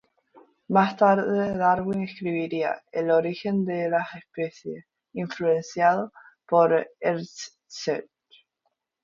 Más tarde, Darwin escribiría "El Origen de las Especies" influido por Herschel.